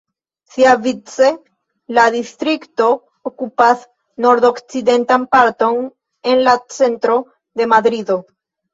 Siavice la distrikto okupas nordokcidentan parton en la centro de Madrido.